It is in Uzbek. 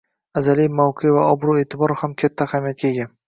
Azaliy mavqe va obro‘-e’tibor ham katta ahamiyatga ega.